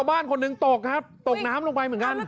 บ้านคนหนึ่งตกครับตกน้ำลงไปเหมือนกัน